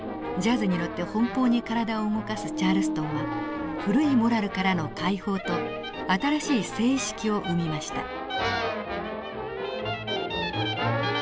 ジャズに乗って奔放に体を動かすチャールストンは古いモラルからの解放と新しい性意識を生みました。